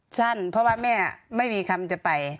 สั้นเพราะว่าแม่ไม่มีคำจะไป